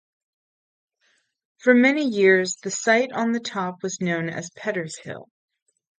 For many years, the site on the top was known as Pedder's Hill.